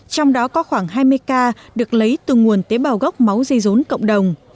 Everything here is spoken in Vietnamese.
trong đó có khoảng hai mươi ca được lấy từ nguồn tế bào gốc máu dây rốn cộng đồng